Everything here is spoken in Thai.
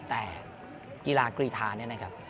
แต่กีฬากรีธาเนี่ยนะครับ